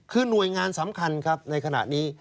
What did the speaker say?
คือหน่วยงานสำคัญครับในขณะนี้